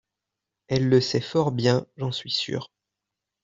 elle le sait fort bien, j'en suis sure.